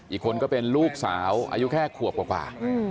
อีกคนก็เป็นลูกสาวอายุแค่ขวบกว่า